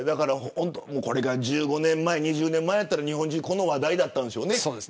１５年前、２０年前だったら日本中の話題だったでしょうね。